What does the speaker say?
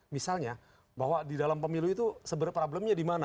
misalnya bahwa di dalam pemilu itu sebenarnya problemnya di mana